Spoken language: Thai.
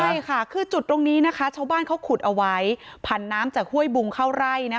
ใช่ค่ะคือจุดตรงนี้นะคะชาวบ้านเขาขุดเอาไว้ผันน้ำจากห้วยบุงเข้าไร่